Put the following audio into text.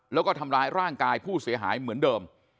แล้วก็ทำร้ายร่างกายผู้เสียหายเหมือนเดิม